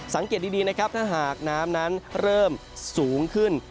สังเกตดีนะครับถ้าหากน้ำนั้นเริ่มสูงขึ้น